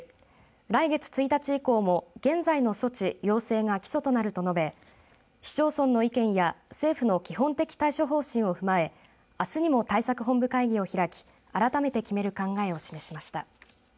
来月１日以降も現在の措置、要請が基礎となると述べ市町村の意見や政府の基本的対処方針を踏まえあすにも対策本部会議を開き改めて決める考えを示しました。